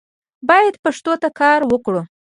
باید پښتو ته کار وکړو